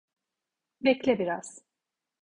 Bekle biraz.